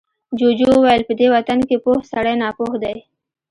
جوجو وويل، په دې وطن کې پوه سړی ناپوه دی.